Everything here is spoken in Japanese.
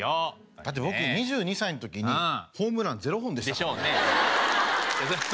だって僕２２歳の時にホームラン０本でしたからね。でしょうね。